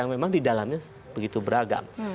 yang memang di dalamnya begitu beragam